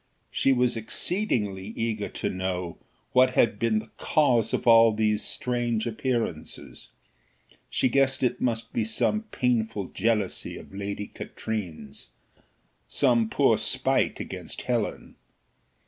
She was exceedingly eager to know what had been the cause of all these strange appearances. She guessed it must be some pitiful jealousy of Lady Katrine's some poor spite against Helen.